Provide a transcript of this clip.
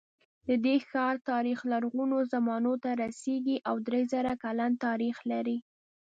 د دې ښار تاریخ لرغونو زمانو ته رسېږي او درې زره کلن تاریخ لري.